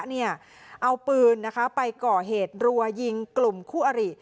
เอาปืนไปก่อเหตุรัวยิงกลุ่มคู่อริ